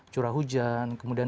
curah hujan kemudian